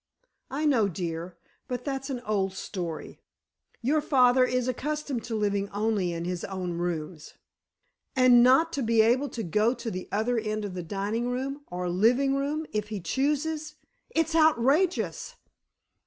"I know, dear, but that's an old story. Your father is accustomed to living only in his own rooms——" "And not to be able to go to the other end of the dining room or living room, if he chooses! It's outrageous!"